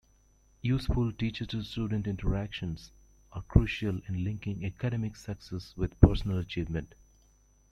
Useful teacher-to-student interactions are crucial in linking academic success with personal achievement.